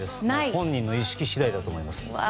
本人の意識次第だと思います。